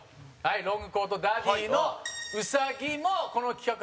ロングコートダディの兎もこの企画、初登場。